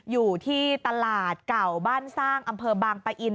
อยู่ที่ตลาดเก่าบ้านสร้างอำเภอบางปะอิน